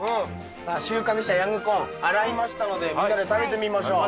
さあ収穫したヤングコーン洗いましたのでみんなで食べてみましょう。